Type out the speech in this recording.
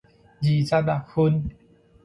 二十六份